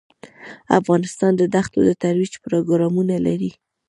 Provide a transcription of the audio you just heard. افغانستان د دښتو د ترویج پروګرامونه لري.